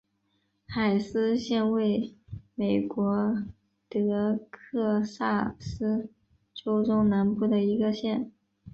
海斯县位美国德克萨斯州中南部的一个县。